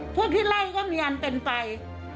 พวกที่ไล่ก็มีอันเป็นไป